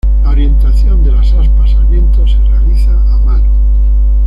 La orientación de las aspas al viento se realiza a mano.